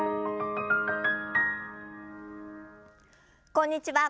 こんにちは。